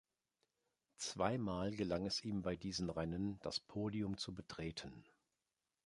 Zweimal gelang es ihm bei diesen Rennen, das Podium zu betreten.